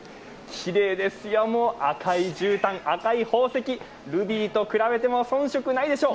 きれいです、赤いじゅうたん、赤い宝石、ルビーと比べても遜色ないでしょう。